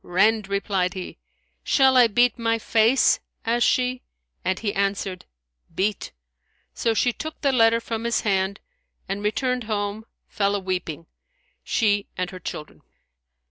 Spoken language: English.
"Rend!" replied he. "Shall I beat my face?" asked she; and he answered, "Beat!" So she took the letter from his hand and returned home fell a weeping, she and her children.